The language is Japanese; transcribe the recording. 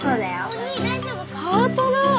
ハートだ！